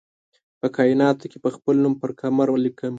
په کائیناتو کې به خپل نوم پر قمر ولیکم